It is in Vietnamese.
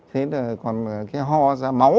thế còn cái ho ra máu